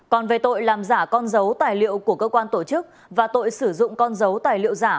còn về tội làm giả con dấu tài liệu của cơ quan tổ chức và tội sử dụng con dấu tài liệu giả